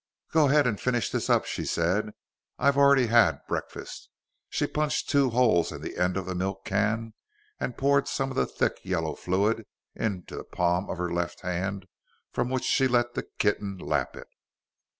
"Go ahead and finish this up," she said. "I've already had breakfast." She punched two holes in the end of the milk can, and poured some of the thick yellow fluid into the palm of her left hand, from which she let the kitten lap it.